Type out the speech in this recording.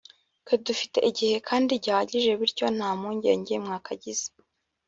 Twe dufite igihe kandi gihagije bityo nta mpungenge mwakagize